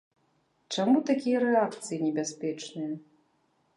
Чаму такія рэакцыі небяспечныя?